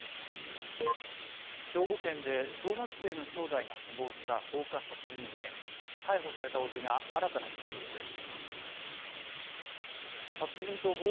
兵庫県で小学生の兄弟が死亡した放火殺人事件で、逮捕された伯父が新たな供述です。